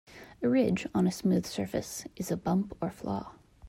A ridge on a smooth surface is a bump or flaw.